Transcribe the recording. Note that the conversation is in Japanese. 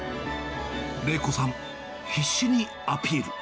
礼子さん、必死にアピール。